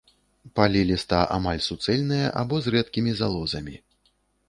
Палі ліста амаль суцэльныя або з рэдкімі залозамі.